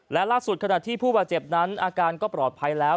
และล่าสุดขณะที่ผู้บาดเจ็บนั้นอาการก็ปลอดภัยแล้ว